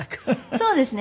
そうですね。